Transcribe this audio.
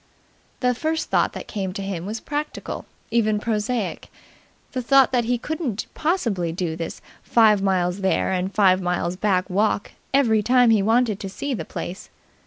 The first thought that came to him was practical, even prosaic the thought that he couldn't possibly do this five miles there and five miles back walk, every time he wanted to see the place.